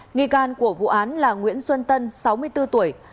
nghi can của vụ án là nguyễn xuân tân sáu mươi bốn tuổi